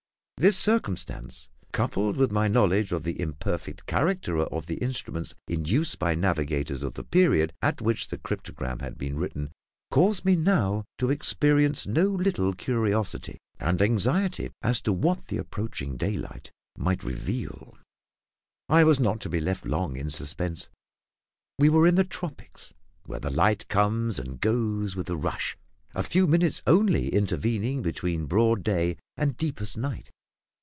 This circumstance, coupled with my knowledge of the imperfect character of the instruments in use by navigators of the period at which the cryptogram had been written, caused me now to experience no little curiosity and anxiety as to what the approaching daylight might reveal. I was not to be left long in suspense. We were in the tropics, where the light comes and goes with a rush, a few minutes only intervening between broad day and deepest night.